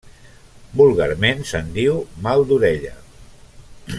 Vulgarment se'n diu mal d'orella.